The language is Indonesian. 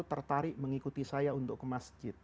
tertarik mengikuti saya untuk ke masjid